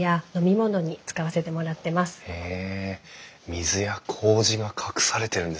水やこうじが隠されてるんですね。